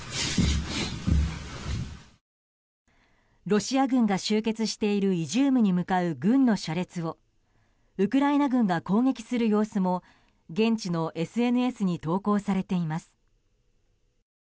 ロシア軍が集結しているイジュームに向かう軍の車列をウクライナ軍が攻撃する様子も現地のＳＮＳに投稿されています。